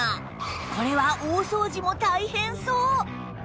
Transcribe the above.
これは大掃除も大変そう